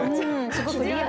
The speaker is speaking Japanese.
すごくリアル。